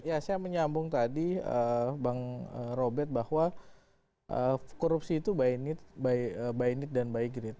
ya saya menyambung tadi bang robert bahwa korupsi itu by net dan by great